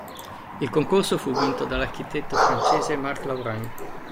Il concorso fu vinto dall'architetto francese Marc Laurent.